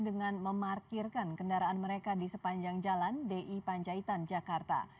dengan memarkirkan kendaraan mereka di sepanjang jalan di panjaitan jakarta